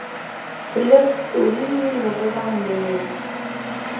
Telliḍ tessewliwileḍ iḍarren-nnem.